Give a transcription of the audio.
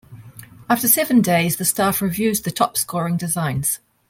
After seven days the staff reviews the top-scoring designs.